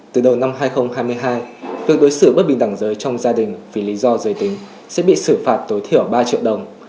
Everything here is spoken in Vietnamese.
từ đầu năm hai nghìn hai mươi hai việc đối xử bất bình đẳng giới trong gia đình vì lý do giới tính sẽ bị xử phạt tối thiểu ba triệu đồng